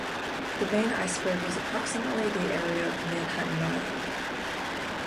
The main iceberg was approximately the area of Manhattan Island.